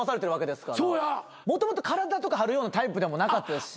もともと体とか張るようなタイプでもなかったですし。